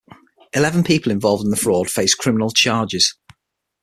Eleven people involved in the fraud faced criminal charges.